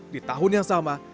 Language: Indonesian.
di tahun yang sama